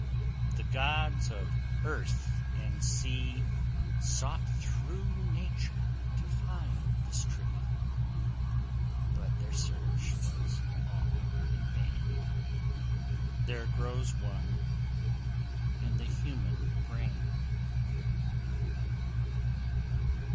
The gods of the earth and sea Sought through nature to find this tree, But their search was all in vain: There grows one in the human Brain.